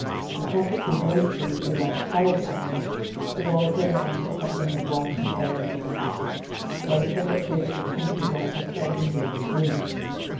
The carpet was rose pink with a white flower pattern, the walls were lined with puffings of white and pale pink satin, while the furni ture was of pink and white brocade and gilded wood.